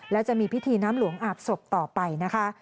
และจะมีพิธีน้ำหลวงอาบศพต่อไปนะคะ